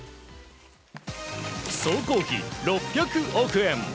総工費６００億円。